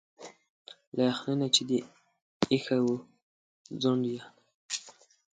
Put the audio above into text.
له يخني نه چي دي ا يښي وو ځونډ يه